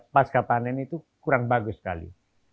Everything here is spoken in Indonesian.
pasca panen itu kurang bagus sekali